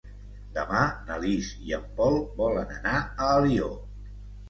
Demà na Lis i en Pol volen anar a Alió.